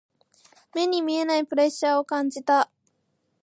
目に見えないプレッシャーを感じた。